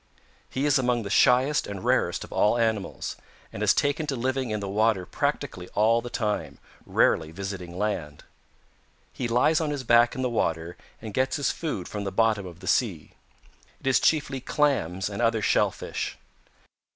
He is among the shyest and rarest of all animals, and has taken to living in the water practically all the time, rarely visiting land. He lies on his back in the water and gets his food from the bottom of the sea. It is chiefly clams and other shellfish.